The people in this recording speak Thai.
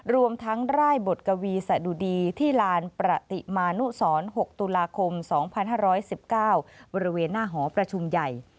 รวมทั้งร่ายบทกวีสะดุดีที่ลานประติมานุสร๖ตุลาคม๒๕๑๙บริเวณหน้าหอประชุมใหญ่